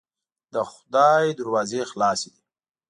د خدای دروازې خلاصې دي.